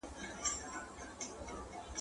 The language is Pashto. راسه راسه شل کلنی خوله پر خوله باندی را کښېږده `